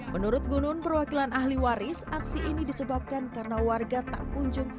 menurut gunun perwakilan ahli waris aksi ini disebabkan karena warga tak kunjung